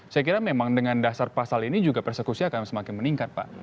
saya kira memang dengan dasar pasal ini juga persekusi akan semakin meningkat pak